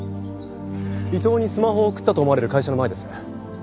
伊藤にスマホを送ったと思われる会社の前です。